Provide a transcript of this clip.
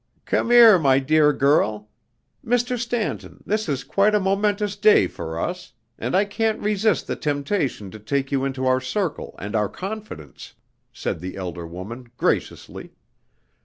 "Come here, my dear girl. Mr. Stanton, this is quite a momentous day for us, and I can't resist the temptation to take you into our circle and our confidence," said the elder woman, graciously.